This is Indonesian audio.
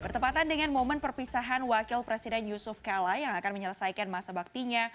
bertepatan dengan momen perpisahan wakil presiden yusuf kala yang akan menyelesaikan masa baktinya